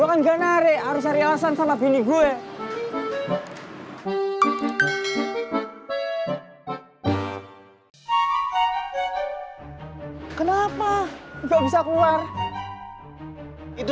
kenapa nggak bisa keluar itu